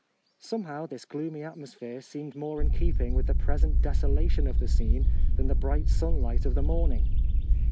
Somehow this gloomy atmosphere seemed more in keeping with the present deso lation of the scene than the bright sunlight of the morning.